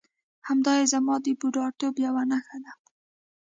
همدایې زما د بوډاتوب یوه نښه ده.